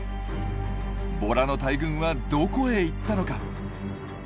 ボラの大群はどこへ行ったのか？